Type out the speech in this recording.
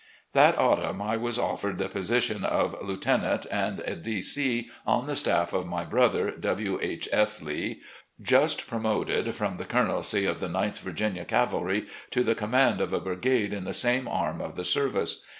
'" That autumn I was offered the position of Lt. and A. D. C. on the staff of my brother, W. H. F. Lee, just pro moted from the colonelcy of the 9th Virginia Cavalry to the command of a brigade in the same arm of the ser vice.